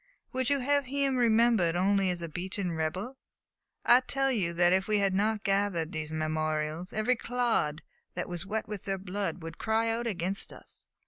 Would you have him remembered only as a beaten rebel? I tell you that if we had not gathered these memorials, every clod that was wet with their blood would cry out against us!